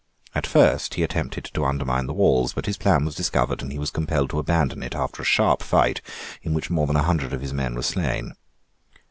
At first he attempted to undermine the walls; but his plan was discovered; and he was compelled to abandon it after a sharp fight, in which more than a hundred of his men were slain.